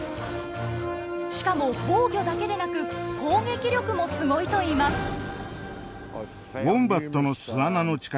しかも防御だけでなく攻撃力もすごいといいます。